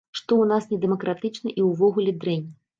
Што ў нас недэмакратычна, і ўвогуле дрэнь.